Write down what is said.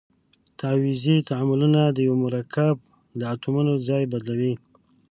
تعویضي تعاملونه د یوه مرکب د اتومونو ځای بدلوي.